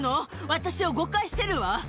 私を誤解してるわ。